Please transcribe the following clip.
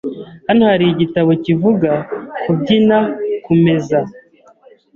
Hano hari igitabo kivuga kubyina kumeza .